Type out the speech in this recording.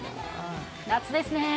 夏ですね。